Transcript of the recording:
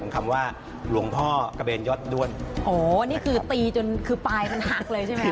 คำว่าหลวงพ่อกระเบนยอดด้วนโอ้นี่คือตีจนคือปลายมันหักเลยใช่ไหม